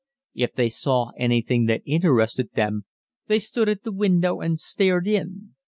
If they saw anything that interested them they stood at the window and stared in.